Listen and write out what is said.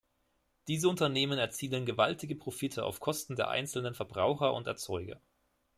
Diese Unternehmen erzielen gewaltige Profite auf Kosten der einzelnen Verbraucher und Erzeuger.